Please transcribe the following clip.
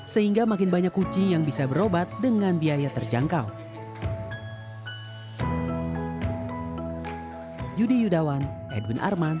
sehingga makin banyak kucing yang bisa berobat dengan biaya terjangkau